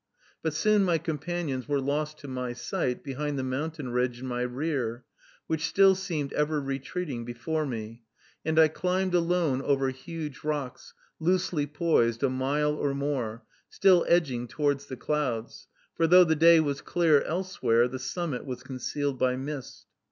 But soon my companions were lost to my sight behind the mountain ridge in my rear, which still seemed ever retreating before me, and I climbed alone over huge rocks, loosely poised, a mile or more, still edging toward the clouds; for though the day was clear elsewhere, the summit was concealed by mist.